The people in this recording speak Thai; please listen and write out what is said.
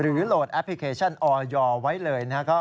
หรือโหลดแอปพลิเคชันอยไว้เลย